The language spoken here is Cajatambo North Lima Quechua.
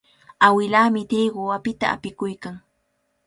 Awilaami triqu apita apikuykan.